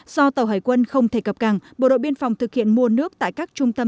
do tàu hải quân không thể cập càng bộ đội biên phòng thực hiện mua nước tại các trung tâm